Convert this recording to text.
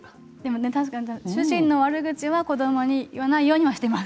確かに主人の悪口は子どもには言わないようにしています。